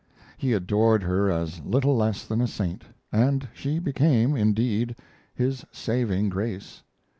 He adored her as little less than a saint, and she became, indeed, his saving grace.